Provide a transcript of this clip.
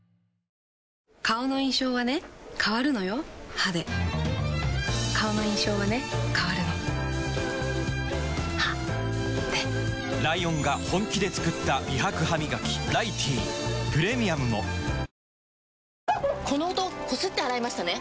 歯で顔の印象はね変わるの歯でライオンが本気で作った美白ハミガキ「ライティー」プレミアムもこの音こすって洗いましたね？